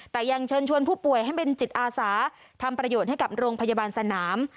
แต่ยังเชิญชวนผู้ป่วยให้เป็นจิตอาสาทำประโยชน์ให้กับโรงพยาบาลสนาม